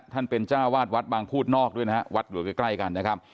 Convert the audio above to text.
ท่านเป็นจ้าวาดวัดบางพูดนอกด้วยนะฮะวัดอยู่ใกล้กันนะครับ